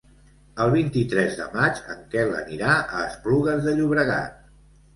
El vint-i-tres de maig en Quel anirà a Esplugues de Llobregat.